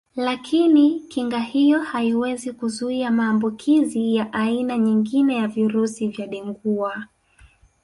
Lakini kinga hiyo haiwezi kuzuia maambukizi ya aina nyingine ya virusi vya Dengua